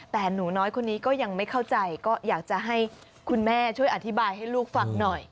แต่หนูน้อยคนนี้ก็ยังไม่เข้าใจก็อยากจะให้คุณแม่ช่วยอธิบายให้ลูกฟังหน่อย